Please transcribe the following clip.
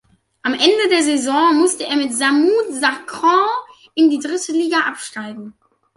Am Ende der Saison musste er mit Samut Sakhon in die dritte Liga absteigen.